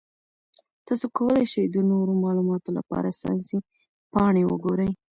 تاسو کولی شئ د نورو معلوماتو لپاره ساینسي پاڼې وګورئ.